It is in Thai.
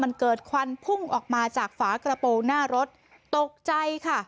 มันเกิดควันพุ่งออกมาจากฝากระโปรงหน้ารถตกใจค่ะ